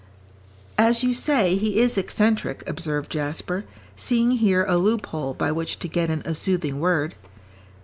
"As you say, he is eccentric," observed Jasper, seeing here a loophole by which to get in a soothing word.